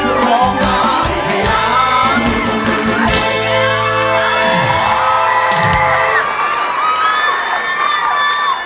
คุณตั้มร้องใจครับ